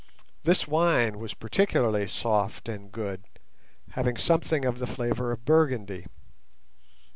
This wine was peculiarly soft and good, having something of the flavour of Burgundy.